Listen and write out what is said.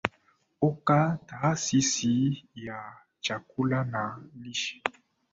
oka taasisi ya chakula na lishe